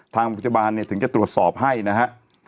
ทางพยาบาลเนี่ยถึงจะตรวจสอบให้นะฮะ